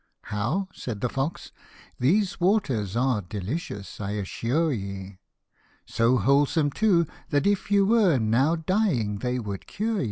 " How ?" said the fox, " these waters are Delicious, I assure ye ; So wholesome too, that if you were Now dying, they would cure ye."